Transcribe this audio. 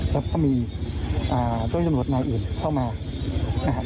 แล้วก็มีอ่าเจ้าที่สำรวจนายอื่นเข้ามานะฮะ